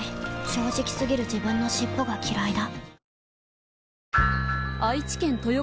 正直過ぎる自分の尻尾がきらいだ